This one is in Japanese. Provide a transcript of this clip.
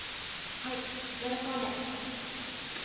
はい喜んで。